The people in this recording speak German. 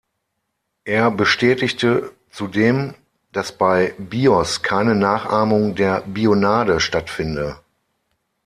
Er bestätigte zudem, dass bei Bios keine Nachahmung der Bionade stattfinde.